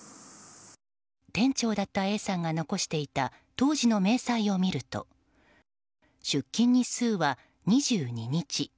店長だったＡさんが残していた当時の明細を見ると出勤日数は２２日。